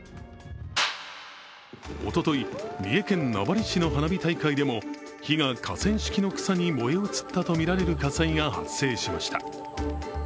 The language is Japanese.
おととい、三重県名張市の花火大会でも火が河川敷の草に燃え移ったとみられる火災が発生しました。